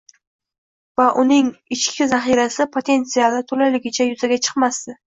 va uning ichki zahirasi – potensiali to‘laligicha yuzaga chiqmasdi